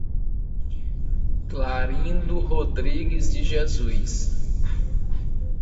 Clarindo Rodrigues de Jesus